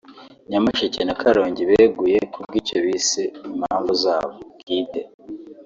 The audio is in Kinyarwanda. Nyamasheke na Karongi beguye kubw’icyo bise ‘impamvu zabo bwite’